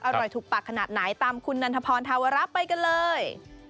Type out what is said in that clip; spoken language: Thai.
ถูกปากขนาดไหนตามคุณนันทพรธาวระไปกันเลย